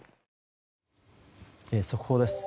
速報です。